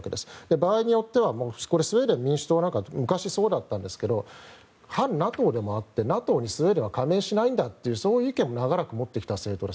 場合によってはスウェーデン民主党なんかは昔そうだったんですけど反ＮＡＴＯでもあってＮＡＴＯにスウェーデンは加盟しないんだというそういう意見を長らく持ってきた政党です。